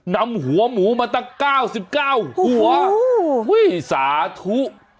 นำหัวหมูมาตั้ง๙๙หัวสาธุ